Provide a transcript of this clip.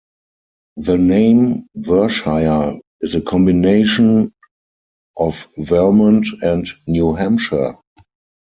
The name Vershire is a combination of Vermont and New Hampshire.